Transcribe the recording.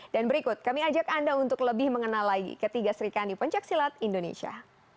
dan berikut kami ajak anda untuk lebih mengenal lagi ketiga serikandi poncak silat indonesia